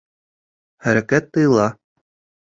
Хәрәкәт тыйыла